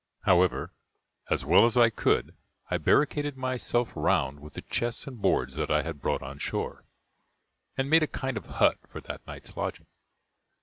However, as well as I could, I barricaded myself round with the chests and boards that I had brought on shore, and made a kind of hut for that night's lodging.